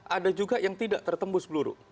ada juga yang tidak tertembus peluru